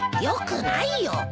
よくないよ。